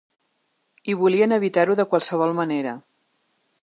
I volien evitar-ho de qualsevol manera.